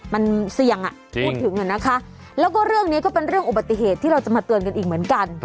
มันเสี่ยงอ่ะพูดถึงนะคะแล้วก็เรื่องนี้ก็เป็นเรื่องอุบัติเหตุที่เราจะมาเตือนกันอีกเหมือนกัน